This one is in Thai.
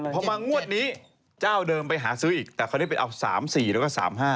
พอมางวดนี้เจ้าเดิมไปหาซื้ออีกแต่คราวนี้ไปเอา๓๔แล้วก็๓๕